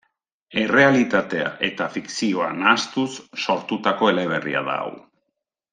Errealitatea eta fikzioa nahastuz sortutako eleberria da hau.